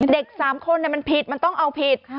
เด็ก๓คนมันผิดมันต้องเอาผิด